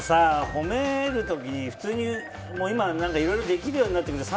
褒める時に普通に、今いろいろできるようになってくるのよ